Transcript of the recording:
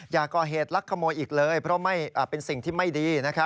อย่าก่อเหตุลักขโมยอีกเลยเพราะเป็นสิ่งที่ไม่ดี